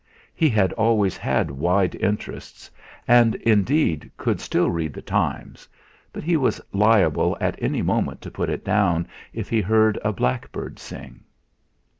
He had always had wide interests, and, indeed could still read The Times, but he was liable at any moment to put it down if he heard a blackbird sing.